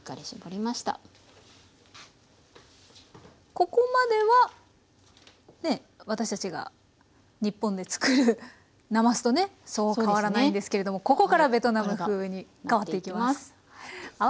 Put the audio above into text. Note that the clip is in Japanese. ここまではね私たちが日本で作るなますとねそう変わらないんですけれどもここからベトナム風に変わっていきます。